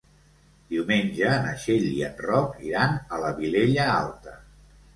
Diumenge na Txell i en Roc iran a la Vilella Alta.